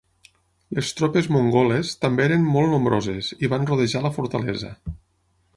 Les tropes mongoles també eren molt nombroses i van rodejar la fortalesa.